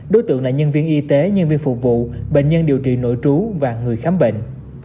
đối tượng là nhân viên y tế nhân viên phục vụ bệnh nhân điều trị nội trú và người khám bệnh